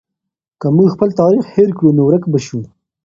که موږ خپل تاریخ هېر کړو نو ورک به سو.